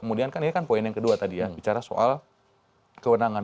kemudian kan ini kan poin yang kedua tadi ya bicara soal kewenangan